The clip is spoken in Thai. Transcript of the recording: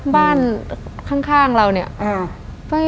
บ้านข้างเราเนี่ย